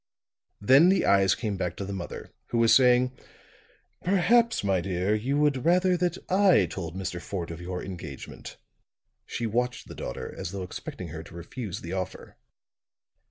Then the eyes came back to the mother, who was saying: "Perhaps, my dear, you would rather that I told Mr. Fort of your engagement." She watched the daughter as though expecting her to refuse the offer.